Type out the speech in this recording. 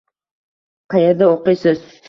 Qayerda o'qiysiz?